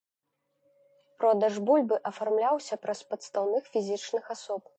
Продаж бульбы афармляўся праз падстаўных фізічных асоб.